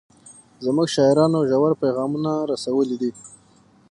زموږ شاعرانو ژور پیغامونه رسولي دي.